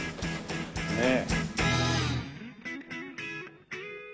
ねえ。